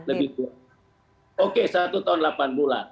lebih kuat oke satu tahun delapan bulan